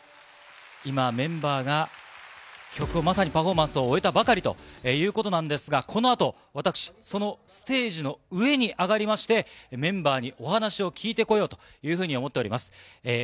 今、メンバーが曲をまさにパフォーマンスを終えたばかりということなんですが、このあと、私、そのステージの上に上がりまして、メンバーにお話を聞いてこようというふうに思っております。